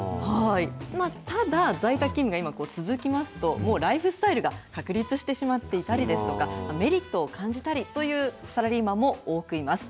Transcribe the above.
ただ、在宅勤務が続きますと、もうライフスタイルが確立してしまっていたりですとか、メリットを感じたりというサラリーマンも多くいます。